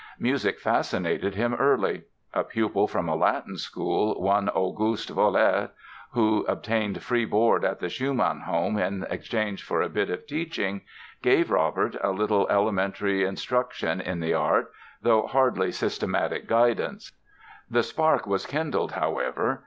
Music fascinated him early. A pupil from a Latin school, one August Vollert, who obtained free board at the Schumann home in exchange for a bit of teaching, gave Robert a little elementary instruction in the art, though hardly systematic guidance. The spark was kindled, however.